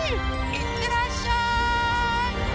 いってらっしゃい！